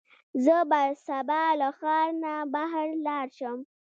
زه به سبا له ښار نه بهر لاړ شم.